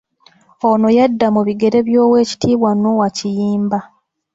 Ono yadda mu bigere by'Oweekitiibwa Noah Kiyimba